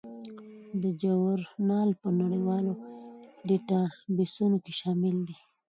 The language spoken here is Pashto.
دا ژورنال په نړیوالو ډیټابیسونو کې شامل دی.